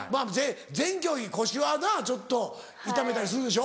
全競技腰はなちょっと痛めたりするでしょ？